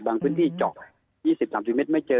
พื้นที่เจาะ๒๐๓๐เมตรไม่เจอ